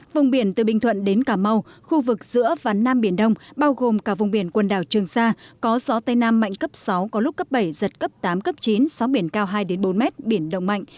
vùng biển từ bình thuận đến cà mau khu vực giữa và nam biển đông bao gồm cả vùng biển quần đảo trường sa có gió tây nam mạnh cấp sáu có lúc cấp bảy giật cấp tám cấp chín sóng biển cao hai bốn m biển động mạnh